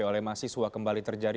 oleh mahasiswa kembali terjadi